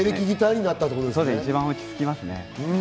はい、一番落ち着きますね。